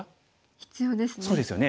必要ですね。